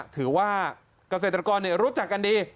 ถือว่าเกษตรกรรู้จักกันดี